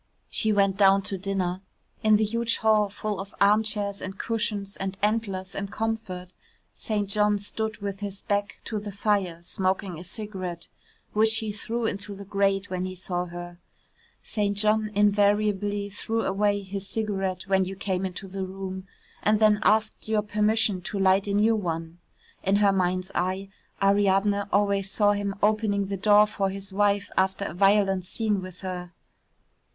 She went down to dinner in the huge hall full of armchairs and cushions and antlers and comfort St. John stood with his back to the fire smoking a cigarette which he threw into the grate when he saw her (St. John invariably threw away his cigarette when you came into the room and then asked your permission to light a new one. In her mind's eye Ariadne always saw him opening the door for his wife after a violent scene with her).